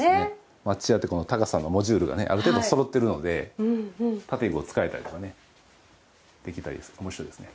町家って高さのモジュールがある程度そろっているので建具を使えたりできたりおもしろいですね。